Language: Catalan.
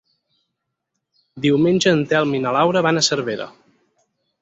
Diumenge en Telm i na Laura van a Cervera.